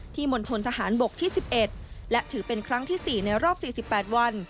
มณฑนทหารบกที่๑๑และถือเป็นครั้งที่๔ในรอบ๔๘วัน